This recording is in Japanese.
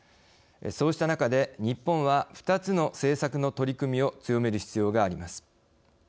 そうした中で日本は二つの政策の取り組みを強める必要があります。